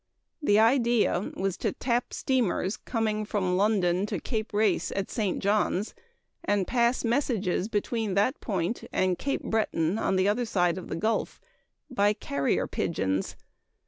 The idea was to "tap" steamers coming from London to Cape Race at St. Johns, and pass messages between that point and Cape Breton, on the other side of the Gulf, by carrier pigeons.